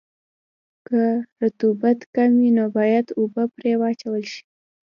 که رطوبت کم وي نو باید اوبه پرې واچول شي